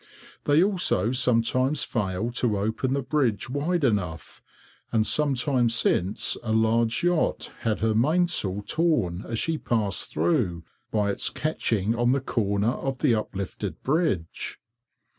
They also sometimes fail to open the bridge wide enough, and some time since a large yacht had her mainsail torn as she passed through, by its catching on the corner of the uplifted bridge.